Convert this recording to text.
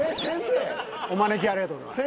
お招きありがとうございます。